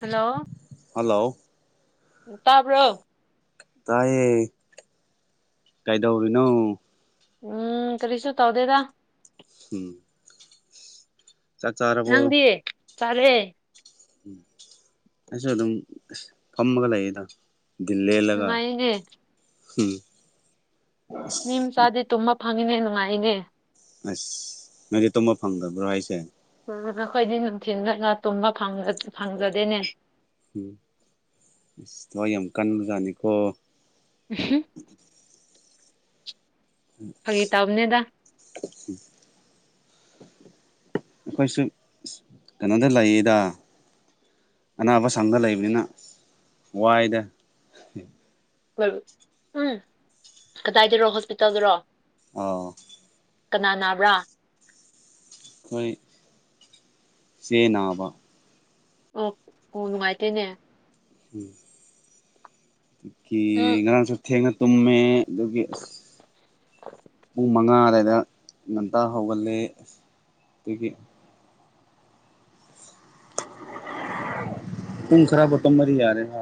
hello hello ꯇꯥꯕ꯭ꯔꯣ ꯇꯥꯏꯌꯦ ꯀꯩꯗꯧꯔꯤꯅꯣ ꯎꯝ ꯀꯔꯤꯁꯨ ꯇꯧꯗꯦꯗ ꯎꯝ ꯆꯥꯛ ꯆꯥꯔꯕꯣ ꯅꯪꯗꯤ ꯆꯥꯔꯦ ꯑꯩꯁꯨ ꯑꯗꯨꯝ ꯐꯝꯃꯒ ꯂꯩꯌꯦꯗ ꯗꯤꯟ ꯂꯦꯜꯂꯒꯥ ꯅꯨꯡꯉꯥꯏꯅꯦ ꯎꯝ ꯃꯤ ꯃꯆꯥꯗꯤ ꯇꯨꯝꯕ ꯐꯪꯉꯤꯅꯦ ꯅꯨꯡꯉꯥꯏꯌꯦꯅꯦ ꯑꯁ ꯅꯪꯗꯤ ꯇꯨꯝꯕ ꯐꯪꯗꯕ꯭ꯔꯣ ꯍꯥꯏꯁꯦ ꯎꯝ ꯑꯩꯈꯣꯏꯗꯤ ꯅꯨꯡꯊꯤꯜꯗꯅ ꯇꯨꯝꯕ ꯐꯪꯗ ꯐꯪꯗ꯭ꯔꯗꯤꯅꯦ ꯎꯝ ꯑꯁ ꯊꯋꯥꯏ ꯌꯥꯝ ꯀꯟꯕꯖꯥꯠꯅꯤꯀꯣ [inaudible] ꯐꯥꯒꯤ ꯇꯧꯕꯅꯦꯗ [inaudible] ꯑꯩꯈꯣꯏꯁꯨ ꯀꯩꯅꯣꯗ ꯂꯩꯌꯦꯗ ꯑꯅꯥꯕ ꯁꯪꯗ ꯂꯩꯕꯅꯤꯅ ꯋꯥꯏꯗ ꯎꯝ ꯀꯗꯥꯏꯗꯔꯣ ꯍꯣꯁꯄꯤꯇꯥꯜꯗꯔꯣ ꯑꯣ ꯀꯅꯥ ꯅꯥꯕ꯭ꯔꯥ ꯈꯣꯢ ꯆꯦ ꯅꯥꯕ ꯑꯣ ꯀꯣꯜ ꯅꯨꯡꯉꯥꯏꯇꯦꯅꯦ ꯎꯝ ꯒꯤ ꯎꯝ ꯉꯔꯥꯡꯁꯨ ꯊꯦꯡꯅ ꯇꯨꯝꯃꯦ ꯑꯗꯨꯒꯤ ꯑꯁ [inaudible] ꯄꯨꯡ ꯃꯉꯥ ꯑꯗꯨꯋꯥꯏꯗ ꯉꯟꯇꯥ ꯍꯧꯒꯠꯂꯦ ꯑꯗꯒꯤ [inaudible] ꯨꯄꯨꯡ ꯈꯔꯕꯨ ꯇꯨꯝꯃꯗꯤ ꯌꯥꯔꯦꯅ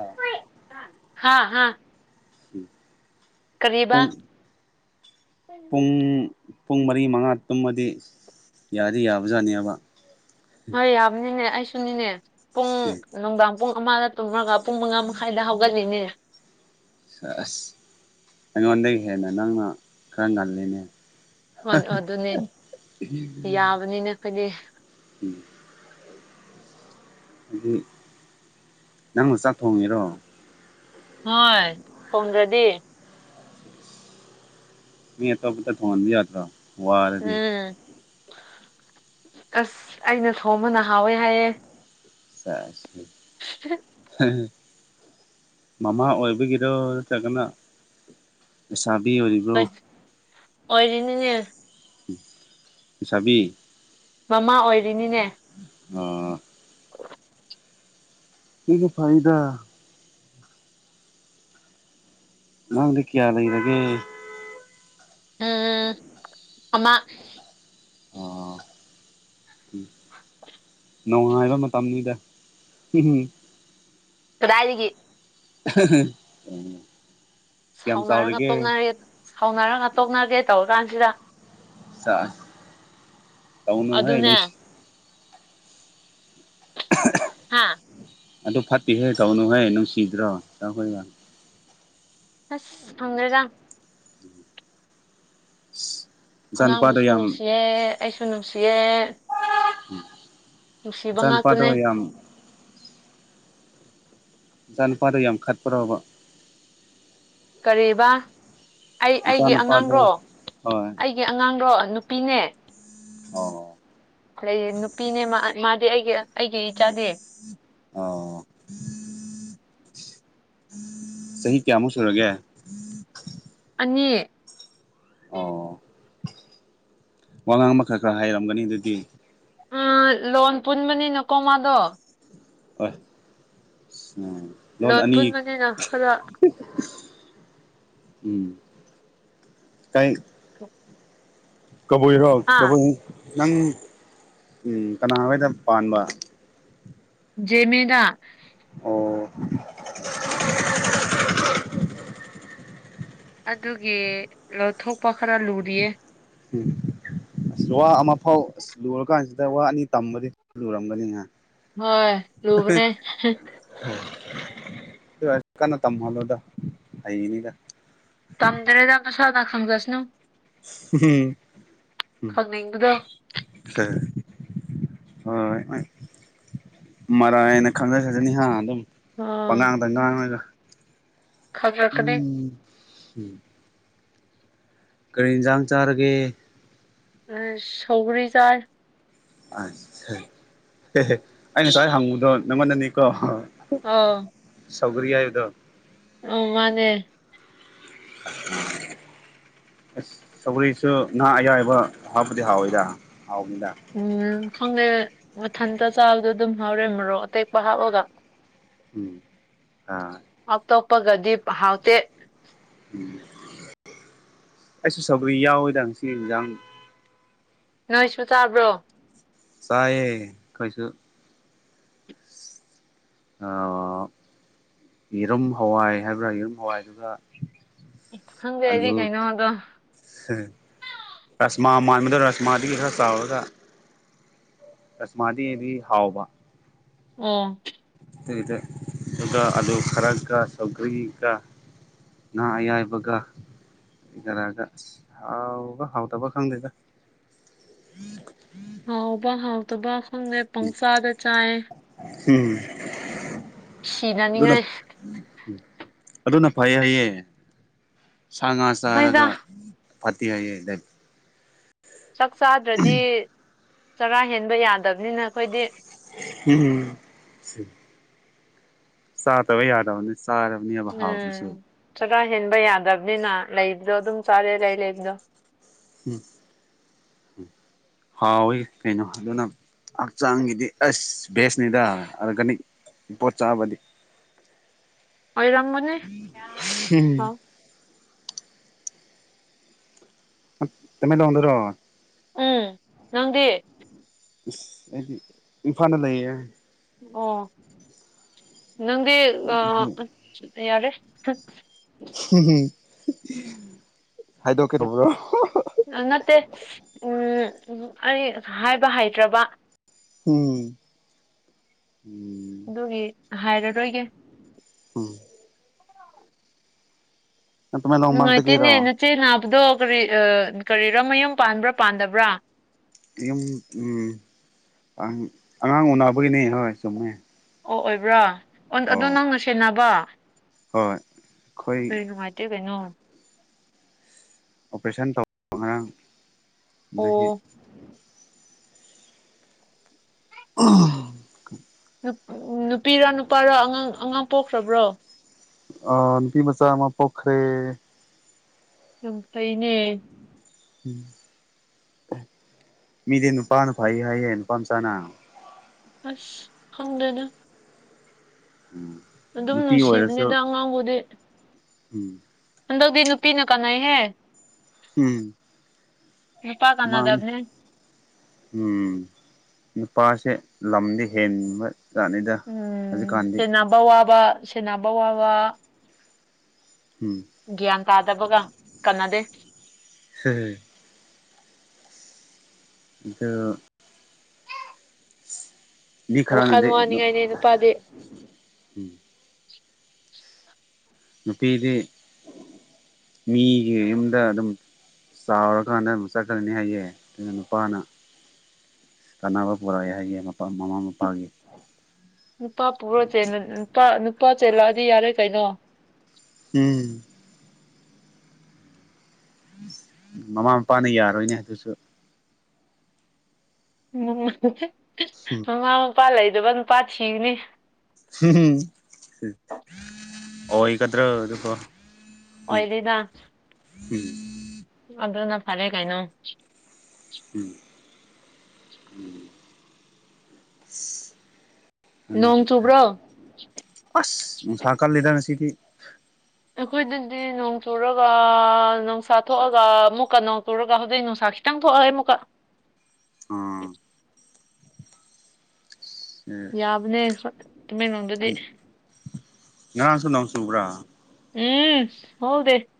ꯍꯥ ꯍꯥ ꯎꯝ ꯀꯔꯤꯕꯥ ꯄꯨꯡ ꯄꯨꯡ ꯃꯔꯤ ꯃꯉꯥ ꯇꯨꯝꯃꯗꯤ ꯌꯥꯗꯤ ꯌꯥꯕꯖꯥꯠꯅꯦꯕ ꯍꯣꯏ ꯌꯥꯕꯅꯤꯅꯦ ꯑꯩꯁꯨꯅꯤꯅꯦ ꯄꯨꯡ ꯑꯁ ꯅꯨꯡꯗꯥꯡ ꯄꯨꯡ ꯑꯃꯗ ꯇꯨꯝꯃꯒ ꯄꯨꯡ ꯃꯉꯥ ꯃꯈꯥꯏꯗ ꯍꯧꯒꯠꯂꯤꯅꯦ ꯁꯦꯁ ꯑꯩꯉꯣꯟꯗꯒꯤ ꯍꯦꯟꯅ ꯅꯪꯅ ꯈꯔ ꯉꯜꯂꯤꯅꯦ [unintelligible] ꯑꯗꯨꯅꯦ ꯌꯥꯕꯅꯤꯅ ꯑꯩꯈꯣꯏꯗꯤ ꯎꯝ ꯗꯨꯗꯤ ꯅꯪꯅ ꯆꯥꯛ ꯊꯣꯡꯉꯤꯔꯣ ꯍꯣꯏ ꯊꯣꯡꯗ꯭ꯔꯗꯤ ꯃꯤ ꯑꯇꯣꯞꯄꯗ ꯊꯣꯡꯍꯟꯕ ꯌꯥꯗ꯭ꯔꯣ ꯋꯥꯔꯗꯤ ꯎꯝ ꯑꯁ ꯑꯩꯅ ꯊꯣꯡꯕꯅ ꯍꯥꯎꯋꯦ ꯍꯥꯏꯌꯦ ꯁꯦꯁ [inaudible] ꯃꯃꯥ ꯑꯣꯏꯕꯒꯤꯗꯣ ꯅꯠꯇ꯭ꯔꯒꯅ ꯂꯩꯁꯥꯕꯤ ꯑꯣꯏꯔꯤꯕ꯭ꯔꯣ ꯑꯣꯏꯔꯤꯅꯤꯅꯦ ꯂꯩꯁꯥꯕꯤ ꯃꯃꯥ ꯑꯣꯏꯔꯤꯅꯤꯅꯦ ꯑꯣ [inaudible] ꯁꯤꯁꯨ ꯐꯩꯗ ꯑꯉꯥꯡꯗꯤ ꯀꯌꯥ ꯂꯩꯔꯒꯦ ꯎꯝ ꯑꯃ ꯑ ꯎꯝ ꯅꯨꯡꯉꯥꯏꯕ ꯃꯇꯝꯅꯤꯗ ꯀꯗꯥꯏꯗꯒꯤ [unintelligible] ꯁꯥꯎꯅꯔꯒ ꯆꯥꯎꯔꯤꯒꯦ ꯇꯣꯛꯅꯔꯦ ꯁꯥꯎꯅꯔꯒ ꯇꯣꯛꯅꯒꯦ ꯇꯧꯔ ꯀꯥꯟꯁꯤꯗ ꯇꯧꯅꯨꯍꯦ ꯑꯗꯨꯅꯦ ꯅꯪꯁꯤ [unintelligible] ꯍꯥꯥ ꯑꯗꯨ ꯐꯠꯇꯦꯍꯦ ꯇꯧꯅꯨꯍꯦ ꯅꯨꯡꯁꯤꯗ꯭ꯔꯣ ꯆꯈꯣꯏꯒ ꯑꯁ ꯐꯪꯗ꯭ꯔꯦꯗ ꯏꯆꯥꯅꯨꯄꯥꯗꯣ ꯑꯉꯥꯡꯕꯨꯁꯨ ꯌꯥꯝ ꯅꯨꯡꯁꯤꯌꯦ ꯑꯩꯁꯨ ꯅꯨꯡꯁꯤꯌꯦ ꯅꯨꯡꯁꯤꯕ ꯅꯆꯥꯅꯨꯄꯥꯗꯣ ꯉꯥꯛꯇꯅꯦ ꯌꯥꯝ ꯏꯆꯥ ꯅꯨꯄꯥꯗꯣ ꯌꯥꯝ ꯈꯠꯄ꯭ꯔꯣꯕ ꯀꯔꯤꯕ ꯑꯩ ꯑꯩꯒꯤ ꯑꯉꯥꯡꯔꯣ ꯏꯆꯥꯅꯨꯄꯥꯗꯣ ꯍꯣꯏ ꯑꯩꯒꯤ ꯑꯉꯥꯡꯔꯣ ꯅꯨꯄꯤꯅꯦ ꯑꯣ ꯅꯨꯄꯤꯅꯦ ꯃꯥꯗꯤ ꯑꯩꯒꯤ ꯑꯩꯒꯤ ꯏꯆꯥꯗꯤ ꯑꯣ ꯆꯍꯤ ꯀꯌꯥꯃꯨꯛ ꯁꯨꯔꯒꯦ ꯑꯅꯤ ꯑꯣ ꯋꯥ ꯉꯥꯡꯕ ꯈꯔ ꯈꯔ ꯍꯥꯏꯔꯝꯒꯅꯤ ꯑꯗꯨꯗꯤ ꯎꯝ ꯂꯣꯟ ꯄꯨꯟꯕꯅꯤꯅꯀꯣ ꯃꯗꯣ ꯍꯣꯏ ꯎꯝ ꯂꯣꯟ ꯑꯅꯤ ꯄꯨꯟꯕꯅꯤꯅ ꯈꯔ ꯎꯝ ꯀꯩ ꯀꯕꯨꯏꯔꯣ ꯑꯥ ꯀꯕꯨꯏ ꯅꯪ ꯎꯝ ꯀꯅꯥ ꯍꯣꯏꯗ ꯄꯥꯟꯕ [unintelligible] ꯑꯣ ꯑꯗꯨꯒꯤ ꯂꯧꯊꯣꯛꯄ ꯈꯔ ꯂꯨꯔꯤꯌꯦ ꯎꯝ ꯑꯁ ꯋꯥ ꯑꯃ ꯐꯥꯎ ꯑꯁ ꯂꯨꯔꯀꯥꯟꯁꯤꯗ ꯋꯥ ꯑꯅꯤ ꯇꯝꯕꯗꯤ ꯂꯨꯔꯝꯒꯅꯤ ꯍꯥ ꯍꯣꯏ ꯂꯨꯕꯅꯦ ꯀꯟꯅ ꯇꯃꯍꯟꯂꯨꯗ ꯍꯩꯒꯅꯤꯗ ꯇꯝꯗ꯭ꯔꯦꯗ ꯅꯁꯥꯅ ꯈꯪꯖꯁꯅꯨ ꯎꯝꯝ ꯈꯪꯅꯤꯡꯕꯗꯣ ꯍꯣꯏ ꯍꯣꯏ ꯃꯔꯥꯏꯅ ꯈꯪꯖꯈ꯭ꯔꯁꯅꯤꯍꯥ ꯑꯥ ꯄꯉꯥꯡꯗ ꯉꯥꯡꯉꯒ ꯈꯪꯔꯛꯀꯅꯤ [unintelligible] ꯀꯔꯤ ꯍꯤꯟꯖꯥꯡ ꯆꯥꯔꯒꯦ ꯑꯁ ꯁꯧꯒꯔꯤ ꯆꯥꯏ ꯑꯩ ꯉꯁꯥꯏ ꯍꯪꯕꯗꯣ ꯅꯪꯉꯣꯟꯗꯅꯤꯀꯣ ꯑꯧ ꯁꯧꯒ꯭ꯔꯤ ꯍꯥꯏꯕꯗꯣ ꯑꯧ ꯃꯥꯅꯦ [inaudible] ꯑꯁ ꯁꯧꯒ꯭ꯔꯤꯁꯨ ꯉꯥ ꯑꯌꯥꯏꯕ ꯍꯥꯞꯄꯗꯤ ꯍꯥꯎꯏꯗ ꯍꯥꯎꯅꯤꯗ ꯎꯝ ꯈꯪꯉꯦ ꯃꯊꯟꯇ ꯆꯥꯕꯗꯣ ꯑꯗꯨꯝ ꯍꯥꯎꯔꯦ ꯃꯣꯔꯣꯛ ꯑꯇꯦꯛꯄ ꯍꯥꯞꯂꯒ ꯎꯝ ꯑꯥ ꯑꯇꯣꯞꯄꯒꯗꯤꯞ ꯍꯥꯎꯇꯦ ꯑꯩꯁꯨ ꯁꯧꯒ꯭ꯔꯤ ꯌꯥꯎꯋꯤꯗ ꯉꯁꯤꯒꯤ ꯍꯤꯟꯖꯥꯡ ꯅꯣꯏꯁꯨ ꯆꯥꯕ꯭ꯔꯣ ꯆꯥꯏꯌꯦ ꯈꯣꯏꯁꯨ ꯑꯥ ꯌꯦꯔꯨꯝ ꯍꯋꯥꯏ ꯍꯥꯏꯕ꯭ꯔꯥ ꯌꯦꯔꯨꯝ ꯍꯋꯥꯏꯗꯨꯒ ꯈꯪꯗꯦ ꯑꯩꯗꯤ ꯀꯩꯅꯣꯗꯣ ꯔꯥꯁꯃꯥ ꯃꯥꯟꯕꯗꯣ ꯔꯥꯁꯃꯥꯗꯒꯤ ꯈꯔ ꯆꯥꯎꯔꯒ ꯔꯥꯁꯃꯥꯗ ꯩꯗꯤ ꯍꯥꯎꯕ ꯑꯣ ꯑꯗꯨꯒꯤꯗꯨ ꯑꯗꯨꯒ ꯑꯂꯨ ꯈꯔꯒꯥ ꯁꯧꯒ꯭ꯔꯤꯒ ꯉꯥ ꯑꯌꯥꯏꯕꯒ ꯀꯔꯤ ꯀꯔꯥꯒ ꯍꯥꯎꯕ꯭ꯔꯥ ꯍꯥꯎꯇꯕ꯭ꯔꯥ ꯈꯪꯗꯦꯗ ꯍꯥꯎꯕ ꯍꯥꯎꯇꯕ ꯈꯪꯗꯦ ꯄꯪꯆꯥꯗ ꯆꯥꯏ ꯎꯝ ꯑꯗꯨꯅ ꯁꯤꯅꯅꯤꯡꯉꯥꯏ ꯑꯗꯨꯅ ꯐꯩ ꯍꯥꯏꯌꯦ ꯁꯥ ꯉꯥ ꯍꯣꯏꯗ ꯆꯥꯔꯒ ꯐꯠꯇꯦ ꯍꯥꯏꯌꯦ ꯗꯥꯏ ꯆꯥꯛ ꯆꯥꯗ꯭ꯔꯗꯤ ꯆꯔꯥ ꯍꯦꯟꯕ ꯌꯥꯗꯕꯅꯤꯅ ꯑꯩꯈꯣꯏꯗꯤ ꯎꯝ ꯆꯥꯗꯕ ꯌꯥꯗꯕꯅꯤ ꯆꯥꯔꯕꯅꯦꯕ ꯎꯝ ꯍꯥꯎꯗ꯭ꯔꯁꯨ ꯆꯔꯥ ꯍꯦꯟꯕ ꯌꯥꯗꯕꯅꯤꯅ ꯂꯩꯕꯗꯣ ꯑꯗꯨꯝ ꯆꯥꯔꯦ ꯂꯩ ꯂꯩꯕꯗꯣ ꯎꯝ ꯍꯥꯎꯋꯤ ꯀꯩꯅꯣ ꯑꯗꯨꯅ ꯍꯛꯆꯥꯡꯒꯤꯗꯤ ꯑꯁ ꯕꯦꯁꯅꯤꯗ ꯑꯔꯒꯥꯅꯤꯛ ꯄꯣꯠ ꯆꯥꯕꯗꯤ ꯑꯣꯏꯔꯝꯒꯅꯤ ꯎꯝ ꯍꯥꯎ ꯑ ꯇꯃꯦꯡꯂꯣꯡꯗꯔꯣ ꯎꯝ ꯅꯪꯗꯤ ꯏꯁ ꯑꯩꯗꯤ ꯏꯝꯐꯥꯟꯗ ꯂꯩꯌꯦ ꯑꯣ ꯅꯪꯗꯤ ꯑꯥ ꯌꯥꯔꯦ ꯍꯥꯏꯗꯣꯛ ꯀꯦ ꯇꯧꯕꯔꯣ ꯑ ꯅꯠꯇꯦ ꯎꯝ ꯑꯩ ꯍꯥꯏꯕ ꯍꯩꯇ꯭ꯔꯕ ꯎꯝ ꯑꯗꯨꯒꯤ ꯍꯥꯏꯔꯔꯣꯏꯒꯦ ꯎꯝ ꯅꯨꯡꯉꯥꯏꯇꯦꯅꯦ ꯇꯃꯦꯡꯂꯣꯡꯃꯛꯇꯒꯤꯔꯣ ꯅꯆꯦ ꯅꯥꯕꯗꯣ ꯀꯔꯤ ꯑꯥ ꯀꯔꯤꯔꯥ ꯃꯌꯨꯝ ꯄꯥꯟꯕ꯭ꯔꯥ ꯄꯥꯟꯗꯕ꯭ꯔꯥ ꯌꯨꯝ ꯎꯝ ꯑꯪ ꯑꯉꯥꯡ ꯎꯅꯕꯒꯤꯅꯦ ꯍꯣꯏ ꯆꯨꯝꯃꯦ ꯑꯣ ꯑꯣꯏꯕ꯭ꯔꯥ ꯑ ꯑꯗꯣ ꯑꯣ ꯅꯪꯅ ꯁꯦꯟꯅꯕ ꯍꯣꯏ ꯑꯩꯈꯣꯏ ꯀꯔꯤ ꯅꯨꯡꯉꯥꯏꯇꯦ ꯀꯩꯅꯣ ꯑꯣꯄꯔꯦꯁꯟ ꯇꯧꯕ ꯉꯔꯥꯡ ꯑꯗꯨꯒꯤ ꯑꯣ [unintelligible] ꯅꯨꯞ ꯅꯨꯄꯤꯔꯥ ꯅꯨꯄꯥꯔꯥ ꯑꯉꯥꯡ ꯑꯉꯥꯡ ꯄꯣꯛꯈ꯭ꯔꯕ꯭ꯔꯣ ꯑꯥ ꯅꯨꯄꯤ ꯃꯆꯥ ꯑꯃ ꯄꯣꯛꯈ꯭ꯔꯦ ꯌꯥꯝ ꯐꯩꯅꯦ ꯃꯤꯗꯤ ꯅꯨꯄꯥꯅ ꯐꯩ ꯍꯥꯏꯌꯦ ꯅꯨꯄꯥꯝꯆꯥꯅ ꯑꯁ ꯈꯪꯗꯦꯗ ꯎꯝ ꯑꯗꯨꯝ ꯅꯨꯄꯤ ꯑꯣꯏꯔꯁꯨ ꯅꯨꯡꯁꯤꯕꯅꯤꯗ ꯑꯉꯥꯡꯕꯨꯗꯤ ꯎꯝ ꯍꯟꯗꯛꯗꯤ ꯅꯨꯄꯤꯅ ꯀꯥꯟꯅꯩꯍꯦ ꯎꯝ ꯅꯨꯄꯥ ꯃꯥꯅꯦ ꯀꯥꯟꯅꯗꯕꯅꯦ ꯎꯝ ꯅꯨꯄꯥꯁꯦ ꯂꯝꯗꯤ ꯍꯦꯟꯕ ꯖꯠꯖꯠꯅꯤꯗ ꯎꯝ ꯍꯧꯖꯤꯛꯀꯥꯟꯗꯤ ꯁꯦꯟꯅꯕ ꯋꯥꯕ ꯁꯦꯟꯅꯕ ꯋꯥꯕ ꯎꯝ ꯒ꯭ꯌꯥꯟ ꯇꯥꯗꯕꯒ ꯀꯅꯥꯗꯦ [unintelligible] ꯑꯗꯣ ꯃꯤ ꯋꯥꯈꯜ ꯈꯔꯅꯗꯤ ꯋꯥꯅꯤꯡꯉꯥꯏꯅꯦ ꯅꯨꯄꯥꯗꯤ ꯎꯝ ꯅꯨꯄꯤꯗꯤ ꯃꯤꯒꯤ ꯌꯨꯝꯗ ꯑꯗꯨꯝ ꯆꯥꯎꯔꯀꯥꯟꯗ ꯑꯃꯨꯛ ꯆꯠꯈꯔ꯭ꯅꯤ ꯍꯥꯏꯌꯦ ꯑꯗꯨꯅ ꯅꯨꯄꯥꯅ ꯀꯥꯟꯅꯕ ꯄꯨꯔꯛꯑꯦ ꯍꯥꯏꯌꯦ ꯃꯃꯥ ꯃꯄꯥꯒꯤ ꯅꯨꯄꯥ ꯄꯨꯔ ꯆꯦꯜ ꯅꯨꯄꯥ ꯅꯨꯄꯥ ꯆꯦꯜꯂꯛꯑꯗꯤ ꯌꯥꯔꯦ ꯀꯩꯅꯣ ꯎꯝ ꯃꯃꯥ ꯃꯄꯥꯅ ꯌꯥꯔꯣꯏꯅꯦ ꯑꯗꯨꯁꯨ ꯑꯨ ꯃꯃꯥ ꯃꯄꯥ ꯂꯩꯗꯕ ꯅꯨꯄꯥ ꯊꯤꯒꯅꯤ [unintelligible] ꯑꯣꯏꯒꯗ꯭ꯔꯣ ꯑꯗꯨꯕꯣ ꯎꯝ ꯑꯣꯏꯅꯤꯗ ꯎꯝ ꯑꯗꯨꯅ ꯐꯔꯦ ꯀꯩꯅꯣ ꯎꯝ ꯎꯝ ꯅꯣꯡ ꯆꯨꯕ꯭ꯔꯣ ꯑꯁ ꯅꯨꯡꯁꯥ ꯀꯟꯂꯤꯗ ꯉꯁꯤꯗꯤ ꯑꯩꯈꯣꯏꯗꯗꯤ ꯅꯣꯡ ꯆꯨꯔꯒ ꯅꯨꯡꯁꯥ ꯊꯣꯛꯑꯒ ꯑꯃꯨꯛꯀ ꯅꯣꯡ ꯆꯨꯔꯒ ꯍꯧꯖꯤꯛ ꯅꯨꯡꯁꯥ [unintelligible] ꯎꯝ ꯌꯥꯕꯅꯦ ꯍꯣꯢ ꯇꯃꯦꯡꯂꯣꯡꯗꯗꯤ ꯉꯔꯥꯡꯁꯨ ꯅꯣꯡ ꯆꯨꯕ꯭ꯔꯥ ꯎꯝ ꯍꯧꯍꯧꯗꯦ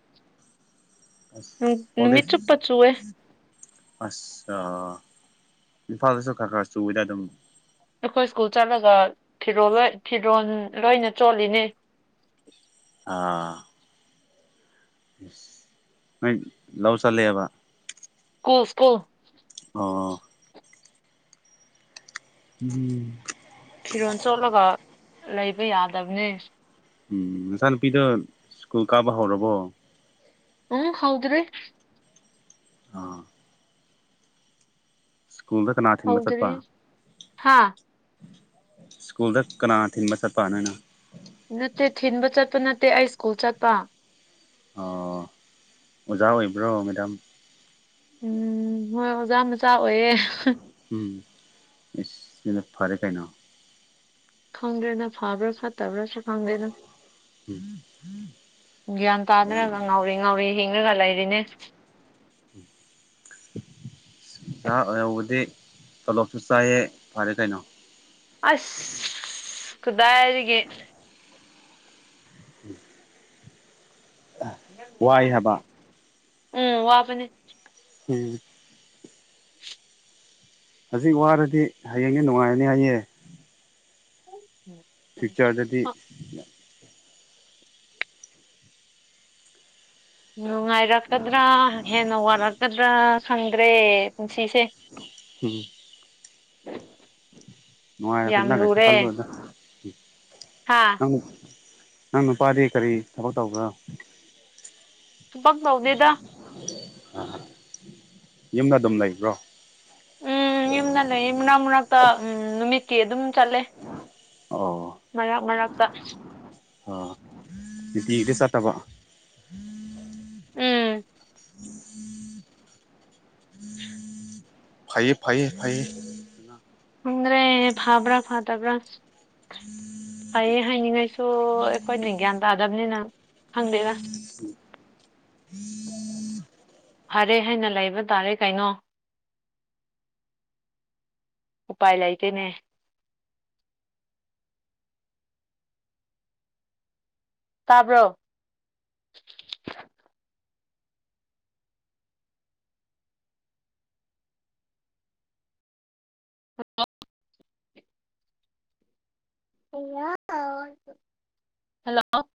ꯑꯁ ꯍꯣꯂꯤꯛ ꯅꯨꯃꯤꯠ ꯆꯨꯞꯄ ꯆꯨꯋꯦ ꯑꯁ ꯑꯥ ꯏꯝꯐꯥꯜꯗꯁꯨ ꯈꯔ ꯈꯔ ꯆꯨꯋꯤꯗ ꯑꯗꯨꯝ ꯑꯩꯈꯣꯏ ꯁ꯭ꯀꯨꯜ ꯆꯠꯂꯒ ꯐꯤꯔꯣꯜ ꯂꯣꯏ ꯐꯤꯔꯣꯜ ꯂꯣꯏꯅ ꯆꯣꯠꯂꯤꯅꯦ ꯑꯥ ꯅꯪ ꯂꯧ ꯆꯠꯂꯦꯕ [unintelligible] ꯑꯣ ꯎꯝ ꯐꯤꯔꯣꯜ ꯆꯣꯠꯂꯒ ꯂꯩꯕ ꯌꯥꯗꯕꯅꯦ ꯎꯝ ꯅꯆꯥꯅꯨꯄꯤꯗꯣ ꯁ꯭ꯀꯨꯜ ꯀꯥꯕ ꯍꯧꯔꯕꯣ ꯎꯝ ꯍꯧꯗꯔ꯭ꯤ ꯑꯥ [unintelligible] ꯍꯧꯗꯔꯤ ꯍꯥꯥ ꯁ꯭ꯀꯨꯜꯗ ꯀꯅꯥꯅ ꯊꯤꯟꯕ ꯆꯠꯄꯥ ꯅꯣꯏꯅ ꯅꯠꯇꯦ ꯊꯤꯟꯕ ꯆꯠꯄ ꯅꯠꯇꯦ ꯑꯩ ꯁ꯭ꯀꯨꯜ ꯆꯠꯄ ꯑꯣ ꯑꯣꯖꯥ ꯑꯣꯏꯕ꯭ꯔꯣ ꯃꯦꯗꯥꯝ ꯎꯝ ꯍꯣꯏ ꯑꯣꯖꯥ ꯃꯆꯥ ꯑꯣꯏꯌꯦ ꯎꯝ ꯏꯁ ꯁꯤꯅ ꯐꯔꯦ ꯀꯩꯅꯣ ꯈꯪꯗ꯭ꯔꯦꯗ ꯐꯕꯔꯥ ꯐꯠ ꯇꯕ꯭ꯔꯥꯁꯨ ꯈꯪꯗꯦꯗ ꯎꯝ ꯒ꯭ꯌꯥꯟ ꯑꯣꯖꯥ ꯇꯥꯗꯅ ꯉꯥꯎꯔꯦ ꯉꯥꯎꯔꯦ ꯍꯤꯡꯉꯥꯒꯥ ꯂꯩꯔꯤꯅꯦ [inaudible] ꯑꯣꯖꯥ ꯑꯣꯏꯍꯧꯕꯗꯤ ꯇꯣꯂꯣꯞꯁꯨ ꯆꯥꯏꯌꯦ ꯐꯔꯦ ꯀꯩꯅꯣ ꯑꯁ ꯀꯗꯥꯢꯗꯒꯤ [inaudible] ꯋꯥꯏ ꯍꯥꯏꯕ ꯎꯝ ꯋꯥꯕꯅꯤ ꯎꯝ [inaudible] ꯍꯧꯖꯤꯛ ꯋꯥꯔꯗꯤ ꯍꯥꯌꯦꯡꯗꯤ ꯅꯨꯡꯉꯥꯏꯔꯅꯤ ꯍꯥꯏꯌꯦ ꯐꯤꯛꯆꯔꯗꯗꯤ ꯅꯨꯡꯉꯥꯏꯔꯛꯀꯗ꯭ꯔꯥ ꯍꯦꯟꯅ ꯋꯥꯔꯛꯀꯗ꯭ꯔꯥ ꯈꯪꯗ꯭ꯔꯦ ꯄꯨꯟꯁꯤꯁꯦ ꯎꯝ ꯌꯥꯝ ꯅꯨꯡꯉꯥꯏꯔꯛꯅꯤꯗ ꯀꯩꯁꯨ ꯈꯟꯂꯨꯅꯨꯗꯥ ꯍꯥꯥ ꯅꯪ ꯅꯪ ꯅꯨꯄꯥꯗꯤ ꯀꯔꯤ ꯊꯕꯛ ꯇꯧꯕ꯭ꯔꯥ ꯊꯕꯛ ꯇꯧꯗꯦꯗ ꯌꯨꯝꯗ ꯑꯗꯨꯝ ꯂꯩꯕ꯭ꯔꯣ ꯎꯝ ꯌꯨꯝꯗ ꯂꯩꯌꯦ ꯃꯔꯛ ꯃꯔ꯭ꯛꯇ ꯎꯝ ꯅꯨꯃꯤꯠꯀꯤ ꯑꯗꯨꯝ ꯆꯠꯂꯦ ꯑꯣ ꯃꯔꯛ ꯃꯔꯛꯇ ꯑꯥ ꯅꯨꯇꯤꯒꯤꯗꯤ ꯆꯠꯇꯕ ꯎꯝ [inaudible] ꯐꯩꯌꯦ ꯐꯩꯌꯦ ꯐꯩꯌꯦ ꯈꯡꯗ꯭ꯔꯦ ꯐꯥꯕ꯭ꯔꯥ ꯐꯥꯠꯇꯕ꯭ꯔꯥ ꯐꯩꯌꯦ ꯍꯥꯏꯅꯤꯡꯉꯥꯏꯁꯨ ꯑꯩꯈꯣꯏꯅ ꯒ꯭ꯌꯥꯟ ꯇꯥꯗꯕꯅꯤꯅ ꯈꯪꯗꯦꯗ [inaudible] [inaudible] ꯐꯔꯦ ꯍꯥꯏꯅ ꯂꯩꯕ ꯇꯥꯔꯦ ꯀꯩꯅꯣ ꯎꯄꯥꯏ ꯂꯩꯇꯦꯅꯦ ꯇꯥꯕ꯭ꯔꯣ [inaudible] ꯍꯜꯂꯣ